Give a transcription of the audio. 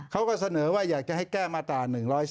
เขาก็เสนอว่าอยากจะให้แก้มาตรา๑๔